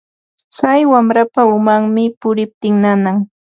Tsay warmapa umanmi puriptin nanan.